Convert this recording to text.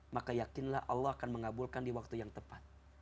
maka yakinlah allah akan mengabulkan di waktu yang tepat